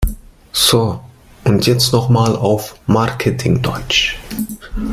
So, und jetzt noch mal auf Marketing-Deutsch!